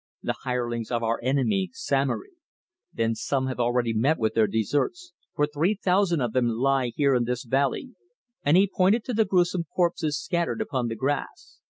"The hirelings of our enemy, Samory." "Then some have already met with their deserts, for three thousand of them lie here in this valley," and he pointed to the gruesome corpses scattered upon the grass.